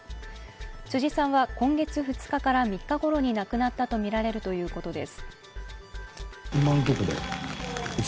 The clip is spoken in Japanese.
辻さんは今月２日から３日頃に亡くなったとみられるということです。